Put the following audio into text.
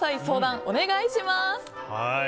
相談、お願いします。